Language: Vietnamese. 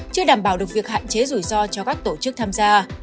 chưa đảm bảo được việc hạn chế rủi ro cho các tổ chức tham gia